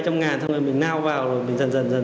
xong rồi mình nao vào rồi dần dần